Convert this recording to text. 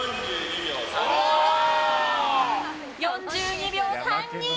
４２秒３２。